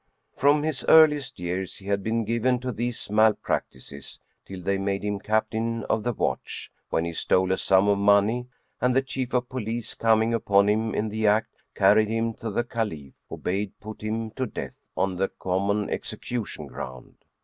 [FN#89] From his earliest years he had been given to these malpractices, till they made him Captain of the Watch, when he stole a sum of money; and the Chief of Police, coming upon him in the act, carried him to the Caliph, who bade put him to death on the common execution ground.